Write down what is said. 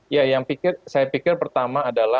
ya yang saya pikir pertama adalah